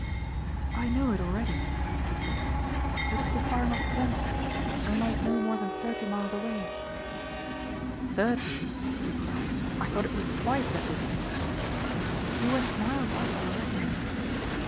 "I know it already," she said, "it is the farm of Zencsi and lies no more than thirty miles away." "Thirty!" he cried, "I thought it was twice that distance." "You went miles out of your reckoning."